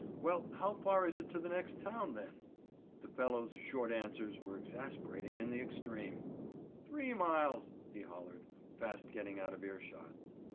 "Well, how far is it to the next town, then?" The fellow's short answers were exasperating in the extreme. "Three miles," he hollered, fast getting out of ear shot.